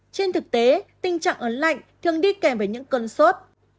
trên thực tế tình trạng ớt lạnh thường đi kèm với những cân sốt